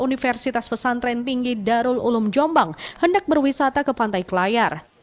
universitas pesantren tinggi darul ulum jombang hendak berwisata ke pantai pelayar